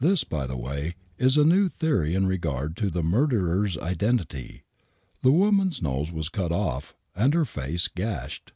This, by the way, is a new theory in regard to the murderer's identity. The woman's nose was cut off and her face gashed.